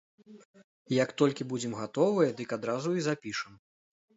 Як толькі будзем гатовыя, дык адразу і запішам.